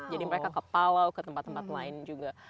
jadi mereka ke palau ke tempat tempat lain juga